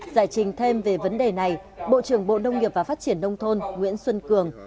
giải trình thêm về vấn đề này bộ trưởng bộ nông nghiệp và phát triển nông thôn nguyễn xuân cường